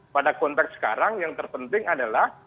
pada konteks sekarang yang terpenting adalah